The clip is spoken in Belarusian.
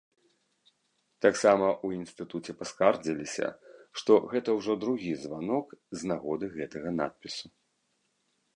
Таксама ў інстытуце паскардзіліся, што гэта ўжо другі званок з нагоды гэтага надпісу.